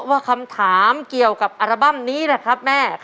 ออกเผยแพร่ในปีพศใด